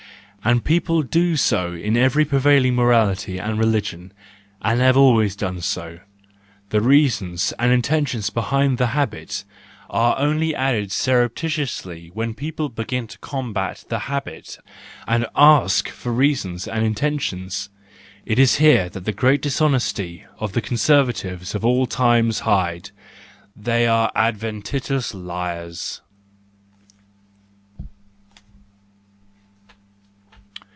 And people do so in every prevailing morality and religion, and have always done so: the reasons and intentions behind the habit, are only added surreptitiously when people begin to combat the habit, and ask for reasons and intentions. It is here that the great dishonesty of the conservatives of all times hides : —they are adventitious liars.